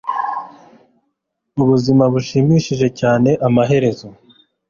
Ubuzima burashimishije cyane… amaherezo,